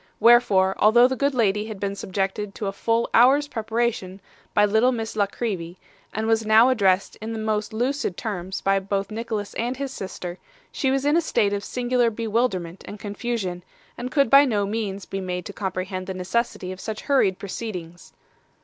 Wherefore, although the good lady had been subjected to a full hour's preparation by little Miss La Creevy, and was now addressed in most lucid terms both by Nicholas and his sister, she was in a state of singular bewilderment and confusion, and could by no means be made to comprehend the necessity of such hurried proceedings.